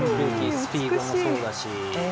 スピードもそうだし